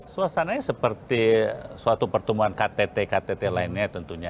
suasananya seperti suatu pertemuan ktt ktt lainnya tentunya